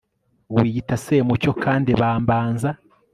wiyita semucyo kandi bambanza